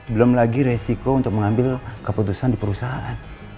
belum lagi resiko untuk mengambil keputusan di perusahaan